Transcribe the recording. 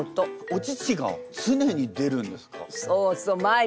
お乳が常に出るんですか？